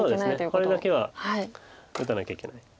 これだけは打たなきゃいけない。